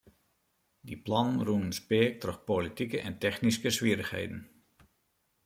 Dy plannen rûnen speak troch politike en technyske swierrichheden.